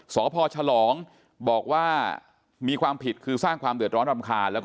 สพฉลองบอกว่ามีความผิดคือสร้างความเดือดร้อนรำคาญ